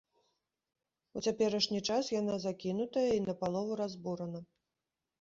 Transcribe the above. У цяперашні час яна закінутая і напалову разбурана.